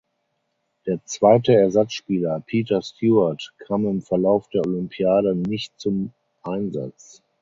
Der zweite Ersatzspieler Peter Stuart kam im Verlauf der Olympiade nicht zum Einsatz.